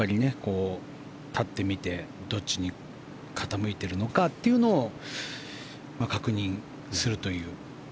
立ってみて、どっちに傾いているのかっていうのを確認するという。